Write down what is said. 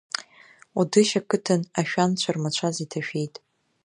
Одышь ақыҭан ашәанцәа рмацәаз иҭашәеит.